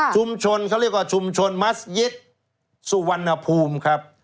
ชุมชนเขาเรียกว่าชุมชนมัสยิตสุวรรณภูมิครับ